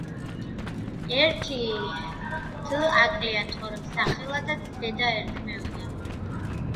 ერთი დ აკლია, თორემ სახელადაც დედა ერქმეოდა.